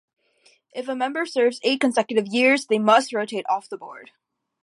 If a member serves eight consecutive years, they must rotate off the board.